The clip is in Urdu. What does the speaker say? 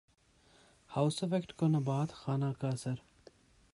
ہاؤس افیکٹ کو نبات خانہ کا اثر